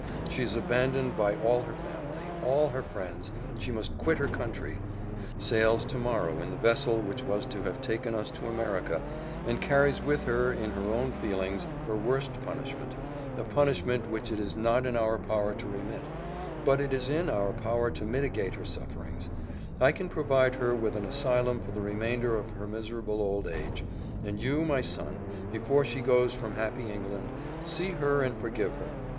She is abandoned by all her family, all her friends; she must quit her country sails to morrow in the vessel which was to have taken us to America and carries with her, in her own feelings, her worst punishment a punishment which it is not in our power to remit, but it is in our power to mitigate her sufferings I can provide her with an asylum for the remainder of her miserable old age; and you, my son, before she goes from happy England, see her and forgive her.